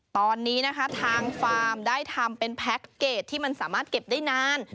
ตอนนี้นะคะทางฟาร์มได้ทำเป็นแพ็คเกจที่มันสามารถเก็บได้นาน